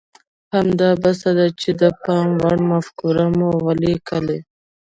همدا بس ده چې د پام وړ مفکوره مو وليکئ.